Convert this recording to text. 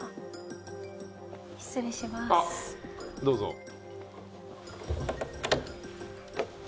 どうぞ。